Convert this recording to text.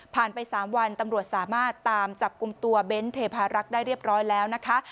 ไป๓วันตำรวจสามารถตามจับกลุ่มตัวเบ้นเทพารักษ์ได้เรียบร้อยแล้วนะคะ